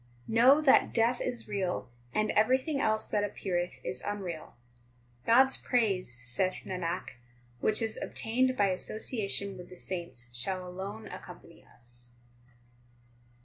3 Know that death is real, and everything else that ap peareth is unreal. God s praise, saith Nanak, which is obtained by association with the saints shall alone accompany us.